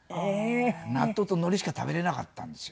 納豆とのりしか食べられなかったんですよ。